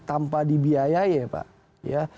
tanpa dibiayai ya pak